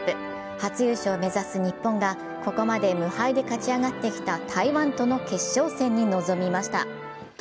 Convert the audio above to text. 初優勝を目指す日本が、ここまで無敗で勝ち上がってきた台湾との決勝戦に挑みました。